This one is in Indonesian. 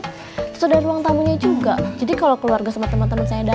kemudian sudah ada ruang tamunya juga k bareng jeot jyit